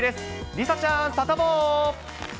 梨紗ちゃん、サタボー。